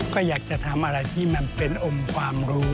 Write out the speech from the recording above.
ก็อยากจะทำอะไรที่มันเป็นอมความรู้